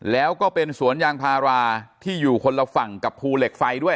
แล้วก็เป็นสวนยางพาราที่อยู่คนละฝั่งกับภูเหล็กไฟด้วย